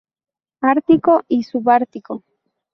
Ártico y subártico.